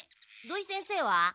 土井先生は？